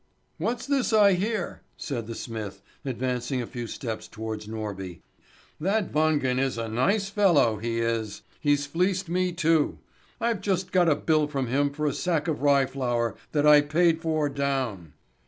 "What's this I hear?" said the smith, advancing a few steps towards Norby. "That Wangen is a nice fellow, he is! He's fleeced me too. I've just got a bill from him for a sack of rye flour that I paid for down!"